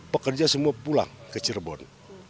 pekerja semua pulang ke cirebon